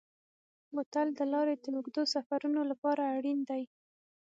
بوتل د لارې د اوږدو سفرونو لپاره اړین دی.